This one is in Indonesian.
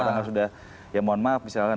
orang harus sudah ya mohon maaf misalnya kan